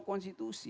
itu yang diunggah